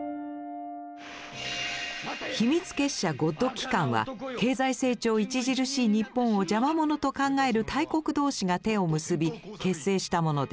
秘密結社ＧＯＤ機関は経済成長著しい日本を邪魔ものと考える大国同士が手を結び結成したものです。